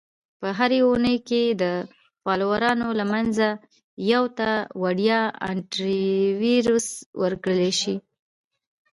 - په هره اونۍ کې د فالوورانو له منځه یو ته وړیا Antivirus ورکړل شي.